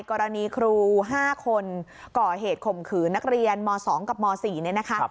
กรณีครู๕คนก่อเหตุข่มขืนนักเรียนม๒กับม๔เนี่ยนะคะ